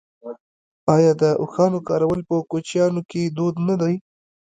آیا د اوښانو کارول په کوچیانو کې دود نه دی؟